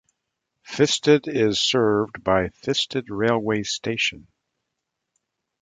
Thisted is served by Thisted railway station.